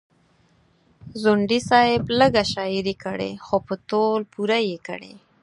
ځونډي صاحب لیږه شاعري کړې خو په تول پوره یې کړې.